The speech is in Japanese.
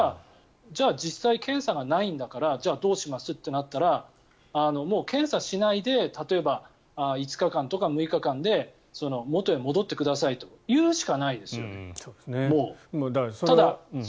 じゃあ、実際検査がないんだからどうしますってなったらもう検査しないで例えば、５日間とか６日間で元へ戻ってくださいと言うしかないですよね。